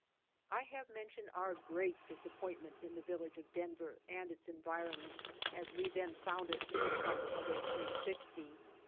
I have mentioned our great disappointment in the village of Denver and its environment as we then found it in the summer of eighteen sixty.